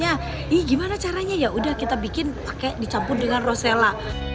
ini gimana caranya ya udah kita bikin pakai dicampur dengan rosella